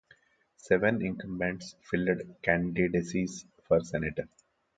Seven incumbents filed candidacies for senator.